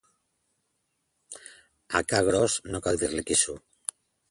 A ca gros no cal dir-li quisso.